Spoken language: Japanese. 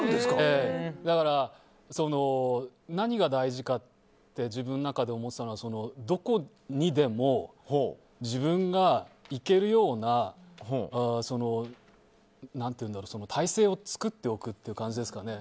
だから何が大事かって自分の中で思ってたのはどこにでも自分が行けるような体制を作っておくという感じですかね。